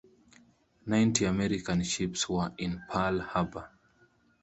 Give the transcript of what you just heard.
Ninety American ships were in Pearl Harbor.